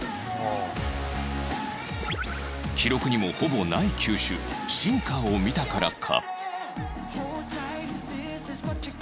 記録にもほぼない球種シンカーを見たからか